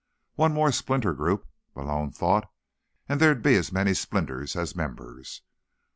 One more splinter group, Malone thought, and there'd be as many splinters as members.